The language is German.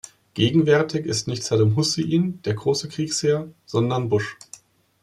Gegenwärtig ist nicht Saddam Hussein der große Kriegsherr, sondern Bush.